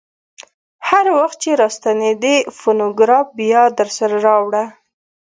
هر وخت چې راستنېدې فونوګراف بیا درسره راوړه.